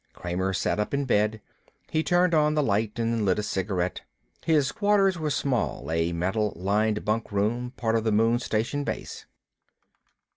Kramer sat up in bed. He turned on the light and lit a cigarette. His quarters were small, a metal lined bunk room, part of the moon station base.